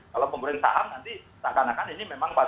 kalau menggoreng saham nanti takkan akan ini memang